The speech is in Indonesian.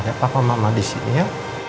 ada papa mama di sini ya